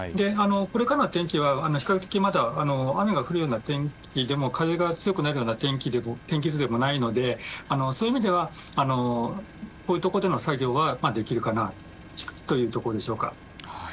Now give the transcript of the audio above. これからの天気は比較的まだ雨が降るような天気でも風が強くなるような天気図でもないのでそういう意味ではこういうところでの作業はできるかなというところでしょうか。